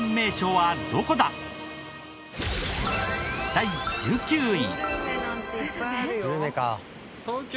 第１９位。